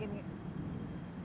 di tempat khusus